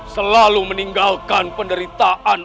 selalu meninggalkan penderitaan